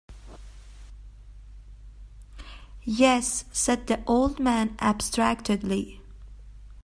"Yes," said the old man abstractedly.